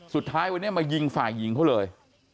สุดท้ายวันนี้มายิงฝ่ายหญิงเขาเลย